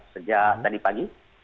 sejak tadi pagi